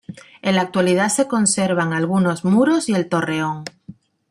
En la actualidad se conservan algunos muros y el torreón.